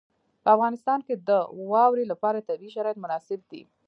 په افغانستان کې د واوره لپاره طبیعي شرایط مناسب دي.